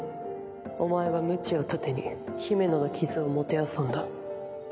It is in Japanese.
お前は無知を盾にヒメノの傷をもてあそんだ。